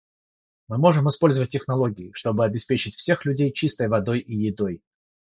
Мы можем использовать технологии, чтобы обеспечить всех людей чистой водой и едой.